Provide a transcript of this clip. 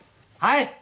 はい。